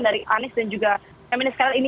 dari anies dan juga keminis keral ini